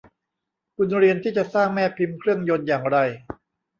คุณเรียนที่จะสร้างแม่พิมพ์เครื่องยนต์อย่างไร